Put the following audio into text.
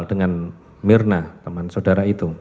dengan mirna teman saudara itu